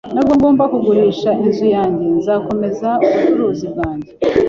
Nubwo ngomba kugurisha inzu yanjye, nzakomeza ubucuruzi bwanjye